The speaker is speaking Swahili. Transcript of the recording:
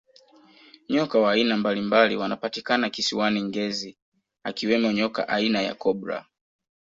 nyoka wa aina mbalimbali wanapatikana kisiwani ngezi akiwemo nyoka aina ya cobra